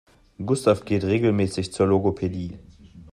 Gustav geht regelmäßig zur Logopädie.